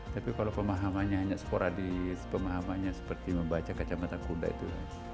tapi kalau pemahamannya hanya sporadis pemahamannya seperti membaca kacamata kuda itu